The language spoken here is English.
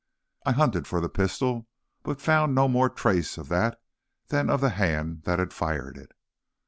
I hunted for the pistol, but found no more trace of that than of the hand that had fired it.